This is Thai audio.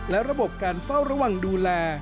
และระบบการเฝ้าระวังดูแล